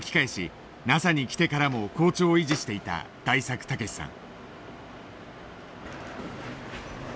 ＮＡＳＡに来てからも好調を維持していた大作毅さん。